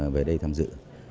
về đây tham dự